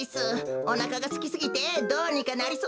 おなかがすきすぎてどうにかなりそうです。